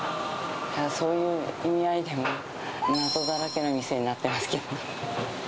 そういう意味合いでも、謎だらけの店になってますけど。